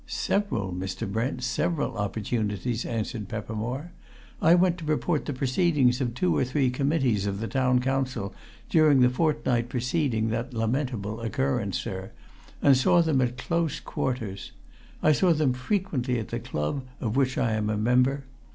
"Several, Mr. Brent, several opportunities," answered Peppermore. "I went to report the proceedings of two or three committees of the Town Council during the fortnight preceding that lamentable occurrence, sir, and saw them at close quarters. I saw them frequently at the Club, of which I am a member.